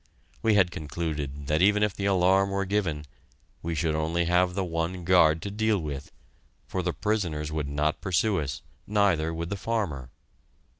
We had concluded that even if the alarm were given, we should only have the one guard to deal with, for the prisoners would not pursue us, neither would the farmer.